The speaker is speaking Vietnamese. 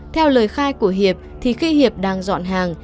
theo lời khai của hiệp thì khi hiệp đang dọn hàng